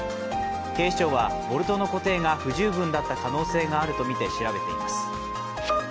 警視庁はボルトの固定が不十分だった可能性があるとみて調べています